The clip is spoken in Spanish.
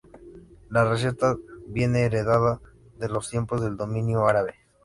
La receta viene heredada de los tiempos del dominio árabe.